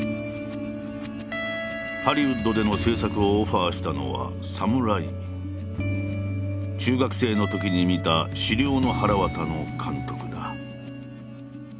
ハリウッドでの製作をオファーしたのは中学生のときに見た「死霊のはらわた」の監督だ。